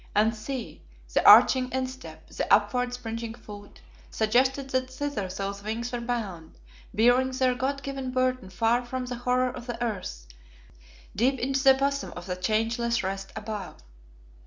And see, the arching instep, the upward springing foot, suggested that thither those wings were bound, bearing their God given burden far from the horror of the earth, deep into the bosom of a changeless rest above.